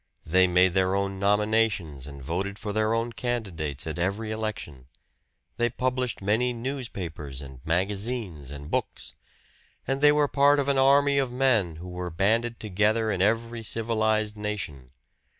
They made their own nominations and voted for their own candidates at every election; they published many newspapers and magazines and books. And they were part of an army of men who were banded together in every civilized nation.